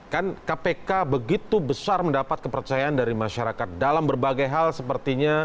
kan kpk begitu besar mendapat kepercayaan dari masyarakat dalam berbagai hal sepertinya